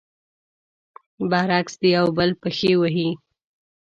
برعکس، د يو بل پښې وهي.